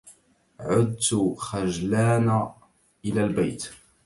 عدتُ خجلان إلى البيت